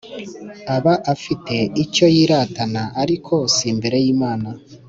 aba afite icyo yiratana, ariko si imbere y'Imana.